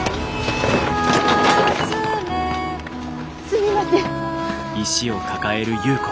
すみません。